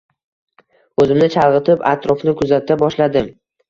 O`zimni chalg`itib atrofni kuzata boshladim